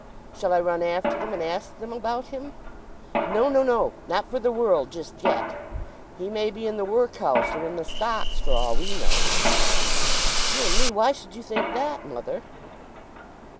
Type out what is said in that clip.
"Shall I run after them, and ask them about him——" "No, no, no! Not for the world just yet. He may be in the workhouse, or in the stocks, for all we know." "Dear me—why should you think that, mother?"